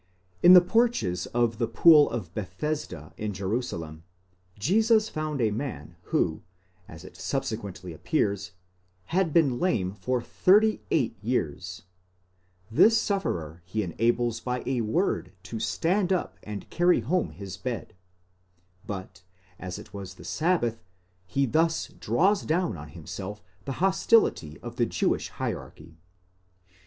In the porches of the pool of Bethesda in Jerusalem, Jesus found a man who, as it subsequently appears, had been lame for thirty eight years ; this sufferer he enables by a word to stand up and carry home his bed, but, as it was the sabbath, he thus draws down on himself the hostility of the Jewish hier archy.